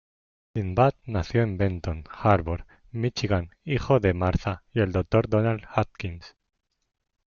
Sinbad nació en Benton Harbor, Michigan, hijo de Martha y el Dr. Donald Adkins.